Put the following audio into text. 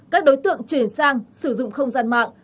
các đối tượng chuyển sang sử dụng không gian mạng